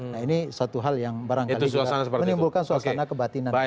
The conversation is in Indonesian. nah ini satu hal yang barangkali juga menimbulkan suasana kebatinan